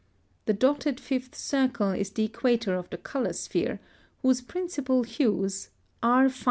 The dotted fifth circle is the equator of the color sphere, whose principal hues, R 5/5.